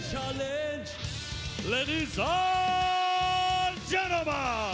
ตอนนี้มวยกู้ที่๓ของรายการ